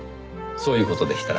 そういう事でしたら。